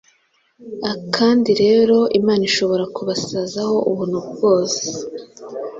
Kandi rero Imana ishobora kubasazaho ubuntu bwose,